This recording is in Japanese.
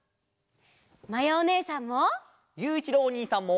まやおねえさんも！